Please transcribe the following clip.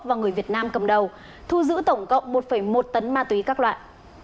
và người việt nam cầm đầu thu giữ tổng cộng một một tấn ma túy các loại